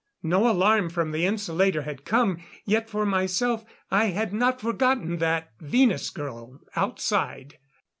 No alarm from the insulator had come, yet for myself I had not forgotten that Venus girl outside.